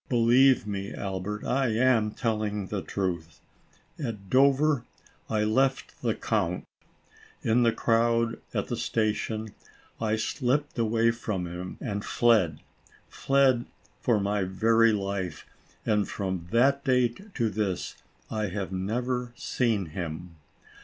Believe me, Albert, I am telling the truth. At Dover, I left the Count. In the crowd, at the station, I slipped away from him, and fled, fled as for my very life, and, from that day to this, I have never seen him.